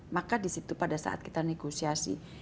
maka disitu pada saat kita negosiasi